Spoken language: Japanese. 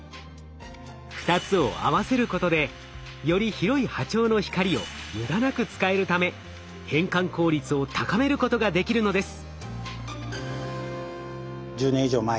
２つを合わせることでより広い波長の光を無駄なく使えるため変換効率を高めることができるのです。